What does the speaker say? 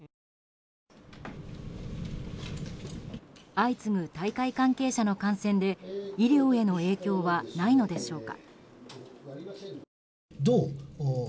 相次ぐ大会関係者の感染で医療への影響はないのでしょうか。